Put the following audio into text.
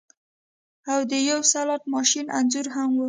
او د یو سلاټ ماشین انځور هم و